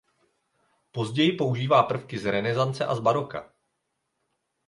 Později používá prvky z renesance a z baroka.